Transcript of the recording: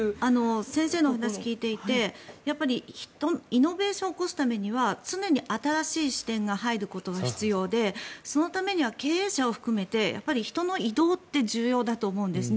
先生のお話を聞いていてイノベーションを起こすためには常に新しい視点が入ることが必要でそのためには経営者を含めてやっぱり人の移動って重要だと思うんですよね。